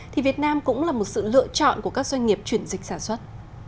thì việt nam cũng là một sự lựa chọn của các doanh nghiệp chuyển dịch sản xuất